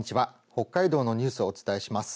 北海道のニュースをお伝えします。